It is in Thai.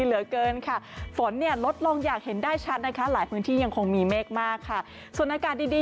เหลือเกินค่ะฝนเนี่ยลดลงอย่างเห็นได้ชัดนะคะหลายพื้นที่ยังคงมีเมฆมากค่ะส่วนอากาศดีดี